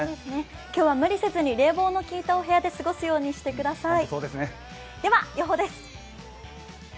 今日は無理せずに冷房の効いたお部屋で過ごすようにしてください。